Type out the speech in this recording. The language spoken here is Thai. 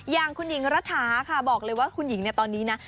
อย่างคุณหญิงรัฐาค่ะบอกเลยว่าคุณหญิงเนี่ยตอนนี้นะ